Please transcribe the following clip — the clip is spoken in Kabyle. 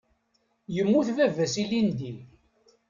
Yemmut baba-s ilindi.